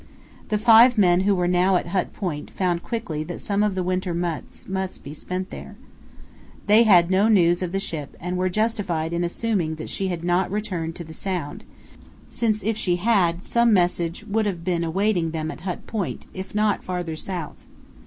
The five men who were now at Hut Point found quickly that some of the winter months must be spent there. They had no news of the ship, and were justified in assuming that she had not returned to the Sound, since if she had some message would have been awaiting them at Hut Point, if not farther south.